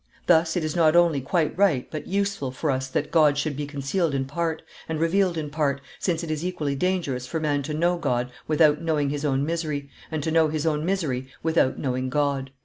Thus it is not only quite right, but useful, for us that God should be concealed in part, and revealed in part, since it is equally dangerous for man to know God without knowing his own misery, and to know his own misery without knowing God."